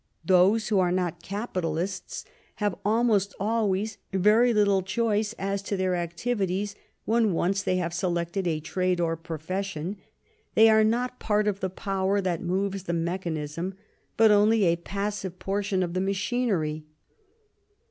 Those who are not capitalists have, almost always, very little choice as to their activities when once they have selected a trade or profession; they are not part of the power that moves the mechanism, but only a passive portion of the machinery.